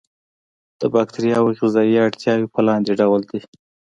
د باکتریاوو غذایي اړتیاوې په لاندې ډول دي.